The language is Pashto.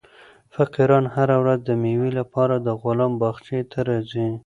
فقیران هره ورځ د مېوې لپاره د غلام باغچې ته راځي.